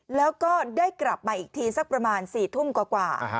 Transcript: แล้วก็ได้กลับมาอีกทีสักประมาณ๔ทุ่มกว่า